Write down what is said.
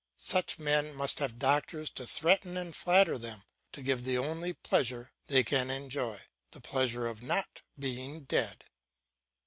Such men must have doctors to threaten and flatter them, to give them the only pleasure they can enjoy, the pleasure of not being dead.